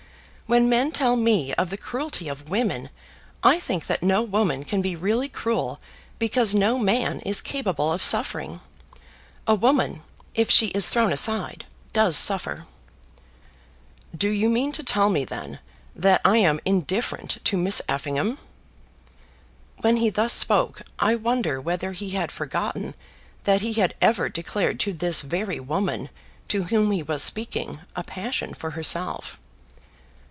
When men tell me of the cruelty of women, I think that no woman can be really cruel because no man is capable of suffering. A woman, if she is thrown aside, does suffer." "Do you mean to tell me, then, that I am indifferent to Miss Effingham?" When he thus spoke, I wonder whether he had forgotten that he had ever declared to this very woman to whom he was speaking, a passion for herself.